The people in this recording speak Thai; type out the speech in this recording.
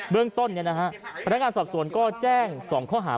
เบื้องต้นนี่นะฮะพนักงานสอบสวนก็แจ้งสองข้อหา